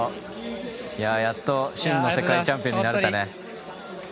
やっと真の世界チャンピオンになれたね。